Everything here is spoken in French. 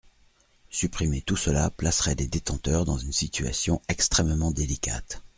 Supprimer tout cela placerait les détenteurs dans une situation extrêmement délicate.